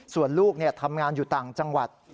ส่วนลูกทำงานอยู่ต่างจังหวัด